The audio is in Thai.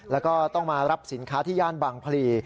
แล้วก็ต้องมารับสินค้าที่ย่านบางพลี